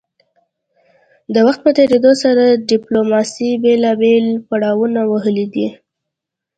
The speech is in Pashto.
د وخت په تیریدو سره ډیپلوماسي بیلابیل پړاونه وهلي دي